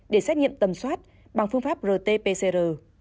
để xét nghiệm tầm soát bằng phương pháp rt pcr